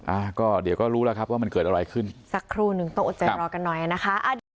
อ่าก็เดี๋ยวก็รู้แล้วครับว่ามันเกิดอะไรขึ้นสักครู่หนึ่งต้องอดใจรอกันหน่อยนะคะอ่าเดี๋ยว